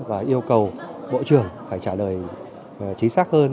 và yêu cầu bộ trưởng phải trả lời chính xác hơn